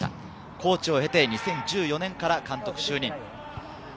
コーチを経て２０１４年から監督就任。